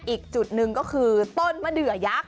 อีกจุดหนึ่งก็คือต้นมะเดือยักษ